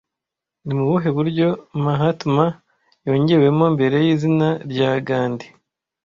Ni mu buhe buryo 'Mahatma' yongewemo mbere y'izina rya Gandhiji